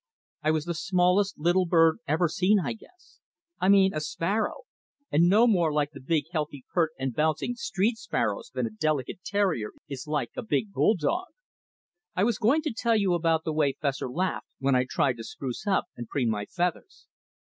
I was the smallest little bird ever seen, I guess, I mean a sparrow, and no more like the big, healthy, pert, and bouncing street sparrows than a delicate terrier is like a big bull dog. I was going to tell you about the way Fessor laughed when I tried to spruce up and preen my feathers.